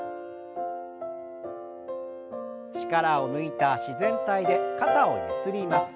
力を抜いた自然体で肩をゆすります。